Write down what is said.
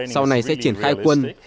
sau này sẽ triển khai quân